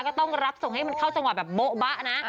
ก็ต้องรับส่งให้มันเข้าจังหวะแบบโบ๊บะนะ